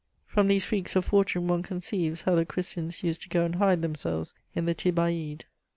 From these freaks of fortune one conceives how the Christians used to go and hide themselves in the Thebaïde.